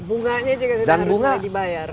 bunganya juga sudah harus dibayar